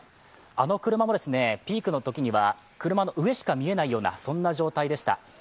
あの車もピークのときには車の上しか見えないような状態でした。